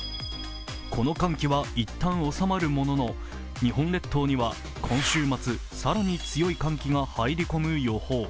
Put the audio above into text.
この寒気は一旦収まるものの、日本列島には今週末、更に強い寒気が入り込む予報。